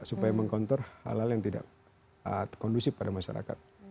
supaya mengkontrol hal hal yang tidak kondusif pada masyarakat